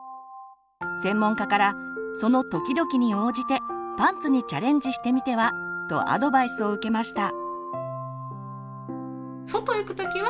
専門家から「その時々に応じてパンツにチャレンジしてみては」とアドバイスを受けました。